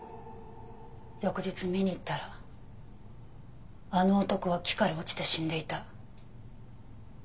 翌日見に行ったらあの男は木から落ちて死んでいた。